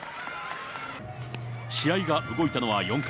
試合が動いたのは４回。